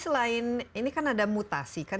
selain ini kan ada mutasi kan